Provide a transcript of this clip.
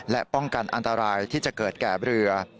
และป้องกันอันตรายที่จะเกิดแก่เรือ